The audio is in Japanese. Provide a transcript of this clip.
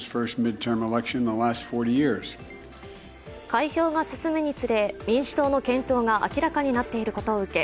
開票が進むにつれ民主党の健闘が明らかになっていることを受け